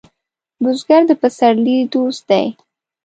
بزګر د پسرلي دوست دی